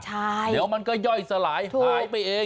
เดี๋ยวมันก็ย่อยสลายหายไปเอง